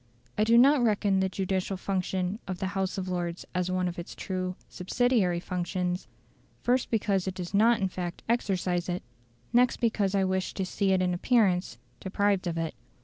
I do not reckon the judicial function of the House of Lords as one of its true subsidiary functions, first because it does not in fact exercise it, next because I wish to see it in appearance deprived of it.